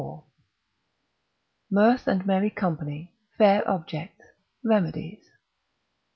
—Mirth and merry company, fair objects, remedies.